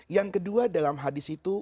yang kedua dalam hadis itu